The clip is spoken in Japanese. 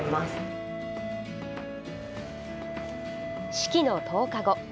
式の１０日後。